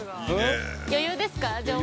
余裕ですか、乗馬。